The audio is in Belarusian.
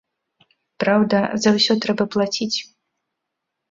Праўда, за ўсё трэба плаціць.